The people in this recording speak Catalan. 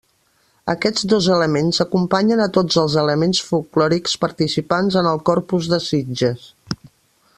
Aquests dos elements acompanyen a tots els elements folklòrics participants en el Corpus de Sitges.